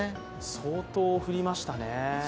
相当降りましたね。